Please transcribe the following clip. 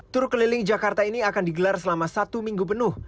tur keliling jakarta ini akan digelar selama satu minggu penuh